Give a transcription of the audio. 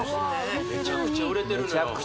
めちゃくちゃ売れてるのよ